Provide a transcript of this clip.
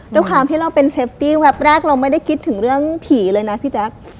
ด้วยความที่เราเป็นเซฟตี้แวบแรกเราไม่ได้คิดถึงเรื่องผีเลยนะพี่แจ๊ค